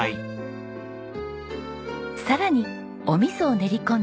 さらにおみそを練り込んだ